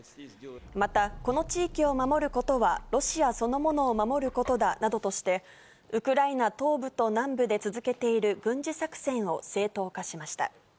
また、この地域を守ることは、ロシアそのものを守ることだなどとして、ウクライナ東部と南部で続けている軍事作戦を正当化しました。